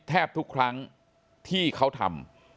แทบทุกครั้งที่เขาทำ